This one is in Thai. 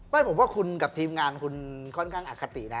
ไม่ผมว่าคุณกับทีมงานคุณค่อนข้างอคตินะ